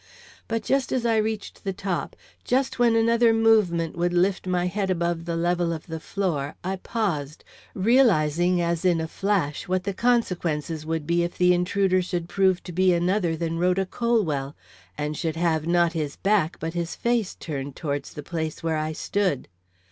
But just as I reached the top, just when another movement would lift my head above the level of the floor, I paused, realizing as in a flash what the consequences might be if the intruder should prove to be another than Rhoda Colwell, and should have not his back but his face turned towards the place where I stood.